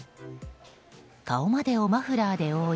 顔までをマフラーで覆い